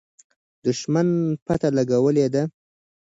دښمن پته لګولې ده.